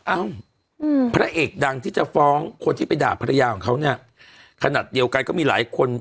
เอ้าพระเอกดังที่จะฟ้องคนที่ไปด่าภรรยาของเขาเนี่ยขนาดเดียวกันก็มีหลายคน